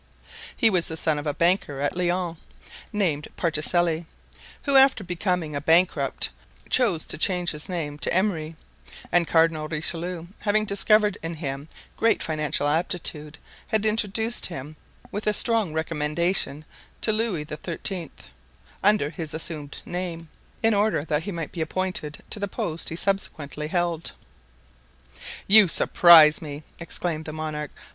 He was the son of a banker at Lyons named Particelli, who, after becoming a bankrupt, chose to change his name to Emery; and Cardinal Richelieu having discovered in him great financial aptitude, had introduced him with a strong recommendation to Louis XIII. under his assumed name, in order that he might be appointed to the post he subsequently held. "You surprise me!" exclaimed the monarch.